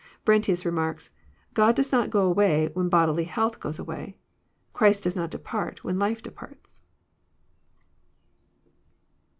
^ Brentius remarks :<< God does not go away when bodily health goes away. Christ does not depart when life departs."